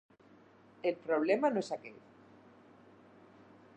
El problema no és aquest.